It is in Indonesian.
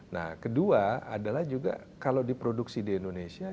nah kedua adalah juga kalau diproduksi di indonesia